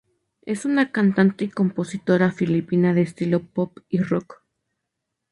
Es una cantante y compositora filipina de estilo pop y rock.